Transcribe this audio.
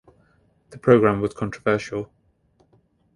The program was controversial.